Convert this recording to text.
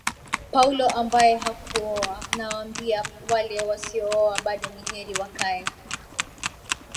Paulo ambaye hakuoa Nawaambia wale wasiooa bado Ni heri wakae